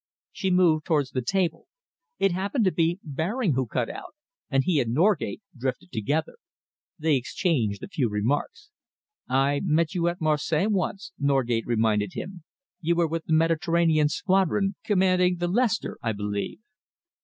She moved towards the table. It happened to be Baring who cut out, and he and Norgate drifted together. They exchanged a few remarks. "I met you at Marseilles once," Norgate reminded him. "You were with the Mediterranean Squadron, commanding the Leicester, I believe."